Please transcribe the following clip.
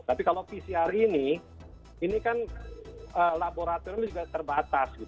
tapi kalau pcr ini ini kan laboratorium juga terbatas